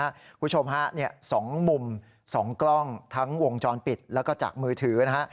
คุณผู้ชมฮะ๒มุม๒กล้องทั้งวงจรปิดแล้วก็จากมือถือนะฮะ